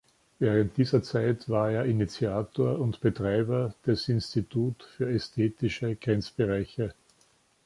Während dieser Zeit war er Initiator und Betreiber des "Institut für ästhetische Grenzbereiche".